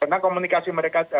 tentang komunikasi mereka